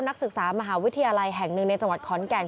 นักศึกษามหาวิทยาลัยแห่งหนึ่งในจังหวัดขอนแก่น